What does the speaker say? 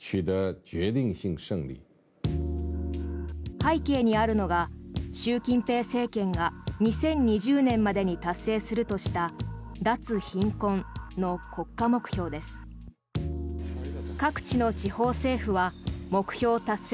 背景にあるのが習近平政権が２０２０年までに達成するとした脱貧困の国家目標です。